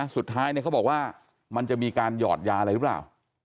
เขาบอกว่ามันจะมีการหยอดยาอะไรหรือเปล่า